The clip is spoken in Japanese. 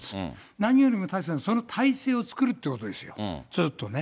何よりも大切なのはその態勢を作るということですよ、ずっとね。